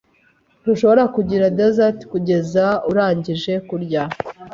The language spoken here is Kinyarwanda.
Ntushobora kugira desert kugeza urangije kurya.